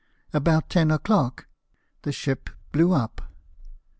About ten o'clock the ship blew up.